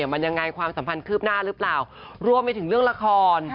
มันยังไงความสัมพันธ์คืบหน้าหรือเปล่ารวมไปถึงเรื่องละคร